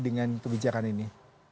dengan kebijakan ini